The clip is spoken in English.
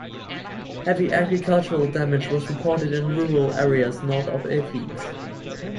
Heavy agricultural damage was reported in rural areas north of Athens.